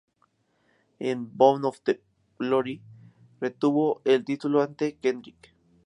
En "Bound for Glory", retuvo el título ante Kendrick.